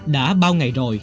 đã bao ngày rồi